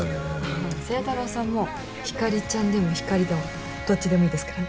ああ星太郎さんも「ひかりちゃん」でも「ひかり」でもどっちでもいいですからね。